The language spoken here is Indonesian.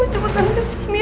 kamu cepetan kesini